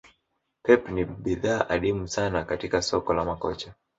Pep ni bidhaa adimu sana katik soko la makocha